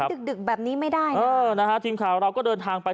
ดึกดึกแบบนี้ไม่ได้นะเออนะฮะทีมข่าวเราก็เดินทางไป